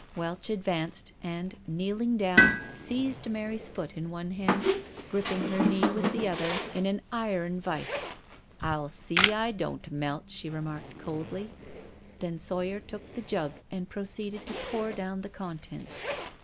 Welch advanced, and kneeling down seised Mary's foot in one hand, gripping her knete with the other in u 290 NO SURRENDER an iron vice. " I'll see I don't melt/' she remarked coldly. Then Sawyer took the jug and proceeded to pour, down the contents.